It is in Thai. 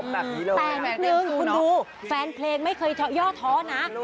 แต่นิดนึงคุณดูแฟนเพลงไม่เคยย่อท้อนะ